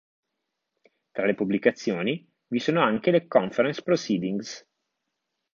Tra le pubblicazioni, vi sono anche le Conference Proceedings.